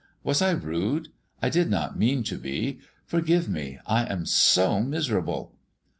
Was I rude? I did not mean to be. Forgive me; I am so miserable."